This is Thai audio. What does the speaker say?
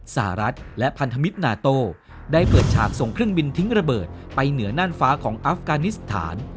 สหรัฐและพันธมิตรนาโตได้เปิดฉากส่งเครื่องบินทิ้งระเบิดไปเหนือน่านฟ้าของอัฟกานิสถาน